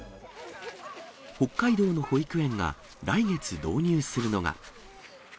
北海道の保育園が来月導入するのが。